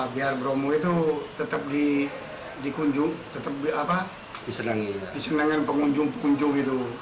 biar bromo itu tetap dikunjung tetap disenangkan pengunjung pengunjung